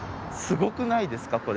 すごくないですか？